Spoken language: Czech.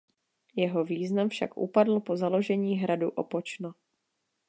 Jeho význam však upadl po založení hradu Opočno.